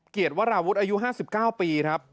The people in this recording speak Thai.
เกียรติว่าราวุฒิอายุ๕๙ปี